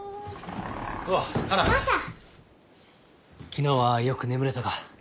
昨日はよく眠れたか？